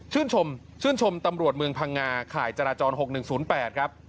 ชื่นชมตำรวจเมืองพังงาข่ายจราจร๖๑๐๘ครับ